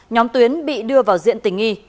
nhóm tuyến bị đưa vào diện tình nghi